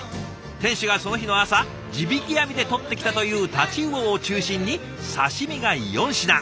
店主がその日の朝地引き網でとってきたという太刀魚を中心に刺身が４品。